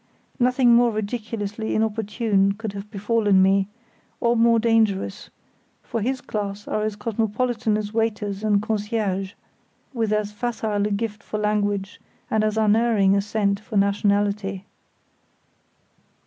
Nothing more ridiculously inopportune could have befallen me, or more dangerous; for his class are as cosmopolitan as waiters and concierges, with as facile a gift for language and as unerring a scent for nationality.